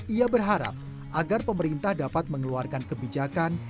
ia berharap agar pemerintah dapat mengeluarkan kebijakan